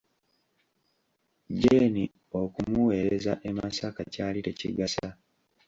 Jeeni okumuwereza e Masaka kyali tekigasa!